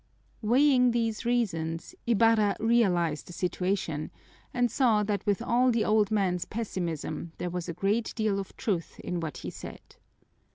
Weighing these reasons, Ibarra realized the situation and saw that with all the old man's pessimism there was a great deal of truth in what he said.